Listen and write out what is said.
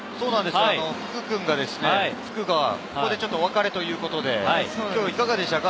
福くんがここでお別れということで今日いかがでしたか？